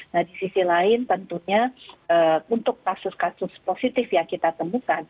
nah di sisi lain tentunya untuk kasus kasus positif yang kita temukan